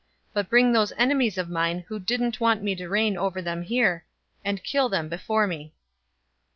019:027 But bring those enemies of mine who didn't want me to reign over them here, and kill them before me.'"